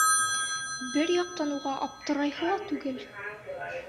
Бер яҡтан уға аптырайһы ла түгел.